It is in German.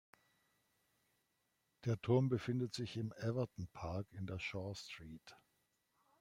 Der Turm befindet sich im "Everton Park" in der Shaw Street.